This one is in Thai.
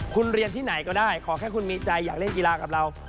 คุณเรียนที่ไหนก็ได้ขอแค่คุณมีใจอยากเล่นกีฬากับเรา